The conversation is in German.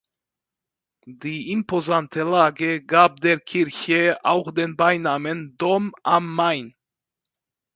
Die imposante Lage gab der Kirche auch den Beinamen „Dom am Main“.